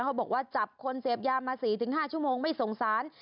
เขาบอกว่าจับคนเสพยามา๔๕ชั่วโมงไม่สงสาร